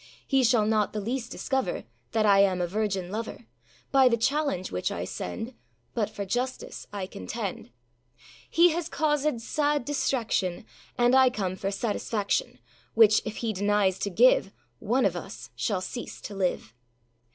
âHe shall not the least discover That I am a virgin lover, By the challenge which I send; But for justice I contend. âHe has causèd sad distraction, And I come for satisfaction, Which if he denies to give, One of us shall cease to live.